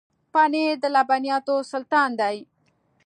پنېر د لبنیاتو سلطان دی.